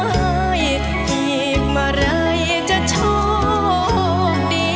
ให้อีกเมื่อไรจะโชคดี